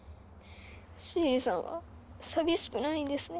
シエリさんは寂しくないんですね。